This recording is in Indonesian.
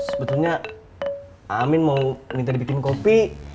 sebetulnya amin mau minta dibikin kopi